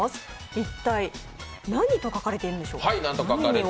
一体、何と書かれているんでしょうか？